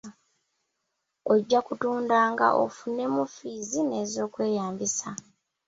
Ojja kutundanga ofunemu ffiizi n'ez'okweyambisa.